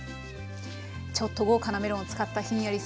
ちょっと豪華なメロンを使ったひんやり